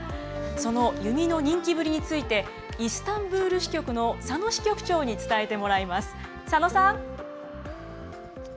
その弓の人気ぶりについてイスタンブール支局の佐野支局長に伝えてもらいます。